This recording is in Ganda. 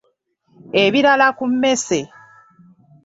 Ebirala ku mmese.